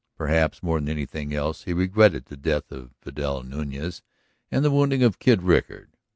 Perhaps more than anything else he regretted the death of Vidal Nuñez and the wounding of Kid Rickard.